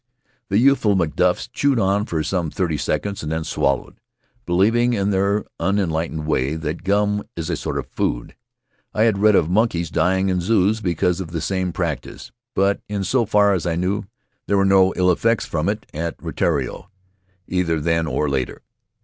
The youthful MacDufis chewed on for some thirty seconds and then swallowed, believing, in their unenlightened way, that gum is a sort of food. I had read of monkeys dying in zoos because of the same practice; but, hi so far as I know, there were no ill effects from it at Rutiaro, either then or later.